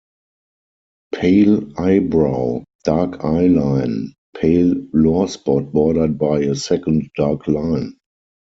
Pale eyebrow, dark eye line, pale lore spot bordered by a second dark line.